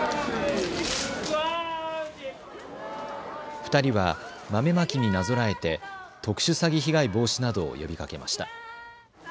２人は豆まきになぞらえて特殊詐欺被害防止などを呼びかけました。